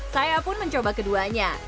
saya pun mencoba keduanya